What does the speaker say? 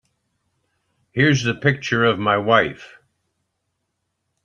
Here's the picture of my wife.